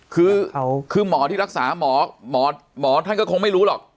คือหมอที่รักษาหมอหมอท่านก็คงไม่รู้หรอก